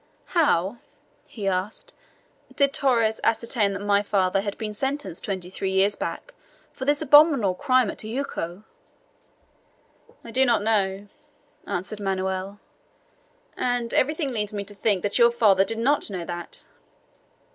"How," he asked, "did Torres ascertain that my father had been sentenced twenty three years back for this abominable crime at Tijuco?" "I do not know," answered Manoel, "and everything leads me to think that your father did not know that."